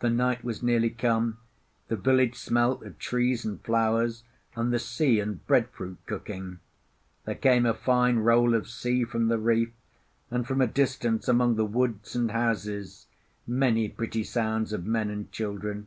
The night was nearly come; the village smelt of trees and flowers and the sea and bread fruit cooking; there came a fine roll of sea from the reef, and from a distance, among the woods and houses, many pretty sounds of men and children.